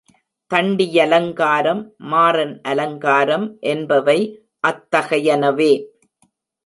தண்டியலங்காரம், மாறன் அலங்காரம் என்பவை அத்தகையனவே.